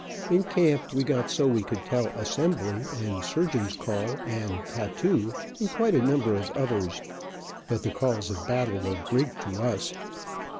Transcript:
In camp we got so we could tell "assembly," and "surgeon's call," and "tattoo," and quite a number of others, but the calls of battle were Greek to us.